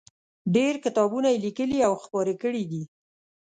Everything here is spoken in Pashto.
ډېر کتابونه یې لیکلي او خپاره کړي دي.